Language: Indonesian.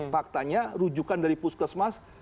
faktanya rujukan dari puskesmas